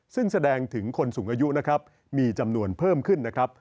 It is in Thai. ซึ่งแสดงถึงคนสูงอายุนะครับมีจำนวนเพิ่มขึ้นนะครับ